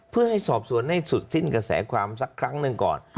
เพื่อให้สอบสวนให้สุดสิ้นกระแสความสักครั้งหนึ่งก่อน